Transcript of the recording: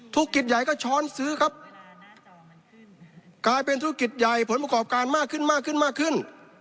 ใหญ่ก็ช้อนซื้อครับกลายเป็นธุรกิจใหญ่ผลประกอบการมากขึ้นมากขึ้นมากขึ้น